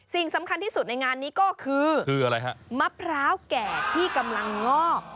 สิ่งสำคัญที่สุดในงานนี้ก็คืออะไรฮะมะพร้าวแก่ที่กำลังงอก